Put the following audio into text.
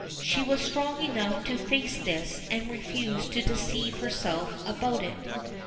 She was strong enough to face this and refused to deceive herself about it.